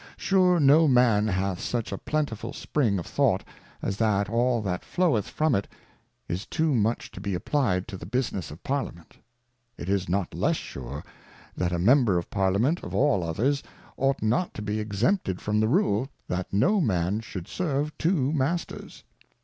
Sure no Man hath such a plentiful spring of Thought, as that all that floweth from it is too much to be applied to the Business of Parliament. It is not less sure, that a Member of Parliament, of all others, ought not to be exempted from the Rule, That no Man should serve two Masters.